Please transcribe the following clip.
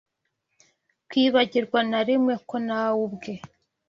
kwibagirwa na rimwe ko na we ubwe